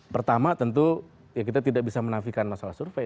pertama tentu ya kita tidak bisa menafikan masalah survei